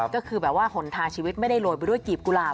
ก็คือแบบว่าหนทางชีวิตไม่ได้โรยไปด้วยกีบกุหลาบ